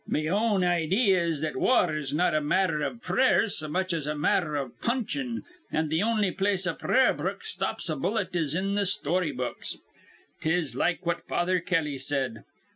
Me own idee is that war is not a matther iv prayers so much as a matther iv punchin'; an' th' on'y place a prayer book stops a bullet is in th' story books. 'Tis like what Father Kelly said.